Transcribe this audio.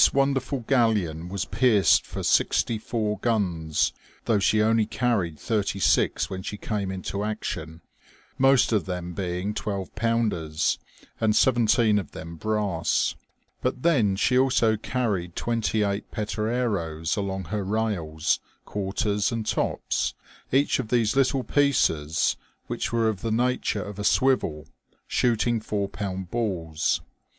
wonderful galleon was pierced for sixty four guns, though she only carried thirty six when she came into action, most of them being twelve pounders, and seventeen of tbem brass. But then she also carried twenty eight petereroes along her rails, quarters, and tops, each of these little pieces, which were of the nature of a swivel, shooting four pound balls.